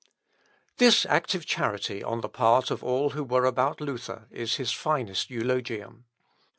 This active charity on the part of all who were about Luther is his finest eulogium.